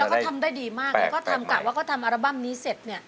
แล้วก็ทำได้ดีมากแล้วก็ทำกะว่าเขาทำอัลบั้มนี้เสร็จเนี่ย